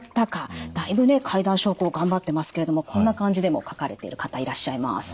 だいぶね階段昇降頑張ってますけれどもこんな感じでも書かれている方いらっしゃいます。